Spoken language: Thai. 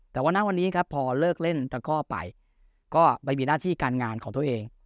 แต่ว่าณวันนี้ครับพอเลิกเล่นตะก้อไปก็ไปมีหน้าที่การงานของตัวเอง